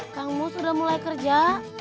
kamu sudah mulai kerja